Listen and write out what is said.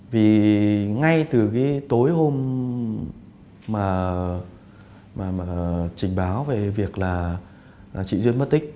vì ngay từ tối hôm mà trình báo về việc là chị duyên bất tích